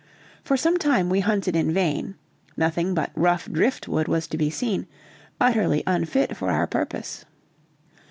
For some time we hunted in vain, nothing but rough drift wood was to be seen, utterly unfit for our purpose.